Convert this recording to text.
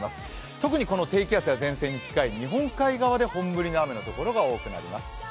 特に低気圧や前線に近い日本海側で本降りの雨のところが多くなります。